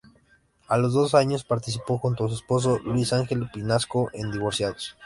A los dos años participó junto a su esposo, Luis Ángel Pinasco en Divorciados.